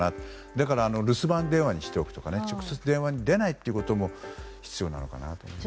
だから留守番電話にしておくとか直接、電話に出ないことも必要なのかなと思います。